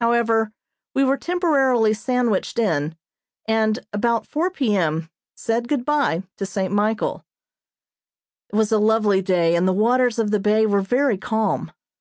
However, we were temporarily sandwiched in, and, about four P. M., said good bye to St. Michael. It was a lovely day and the waters of the bay were very calm.